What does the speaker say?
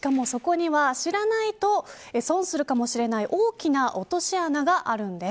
しかもそこには、知らないと損するかもしれない大きな落とし穴があるんです。